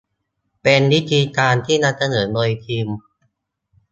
เป็นวิธีการที่นำเสนอโดยทีม